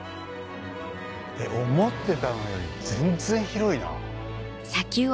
思ってたのより全然広いな。